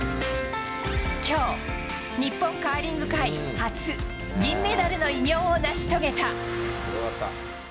今日、日本カーリング界初銀メダルの偉業を成し遂げた。